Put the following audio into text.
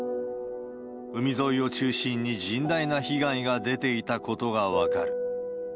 海沿いを中心に甚大な被害が出ていたことが分かる。